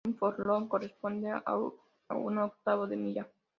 Un furlong corresponde a un octavo de milla.